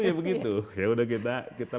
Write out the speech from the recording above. ya begitu ya udah kita